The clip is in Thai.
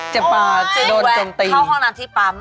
เจ็บมากโดนจนตีจึงแวะเข้าห้องน้ำที่ปั๊ม